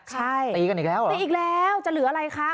ใช่ตีกันอีกแล้วตีอีกแล้วจะเหลืออะไรคะ